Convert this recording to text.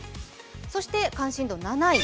そして、関心度７位。